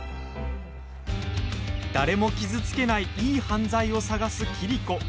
誰も傷つけないいい犯罪を探す桐子。